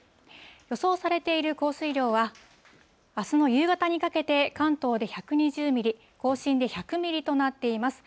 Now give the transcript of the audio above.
予想されている降水量は、あすの夕方にかけて、関東で１２０ミリ、甲信で１００ミリとなっています。